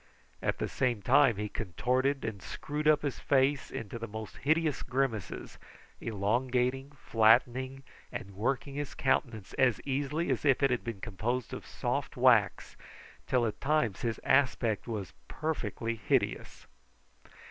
At the same time he contorted and screwed his face up into the most hideous grimaces, elongating, flattening, and working his countenance as easily as if it had been composed of soft wax, till at times his aspect was perfectly hideous.